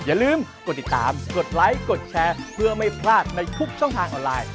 อย่าลืมกดติดตามกดไลค์กดแชร์เพื่อไม่พลาดในทุกช่องทางออนไลน์